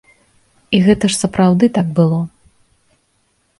І гэта ж сапраўды так было.